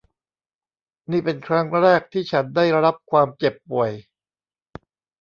นี่เป็นครั้งแรกที่ฉันได้รับความเจ็บป่วย